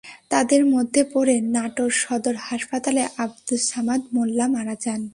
তাঁদের মধ্যে পরে নাটোর সদর হাসপাতালে আব্দুস সামাদ মোল্লা মারা যান।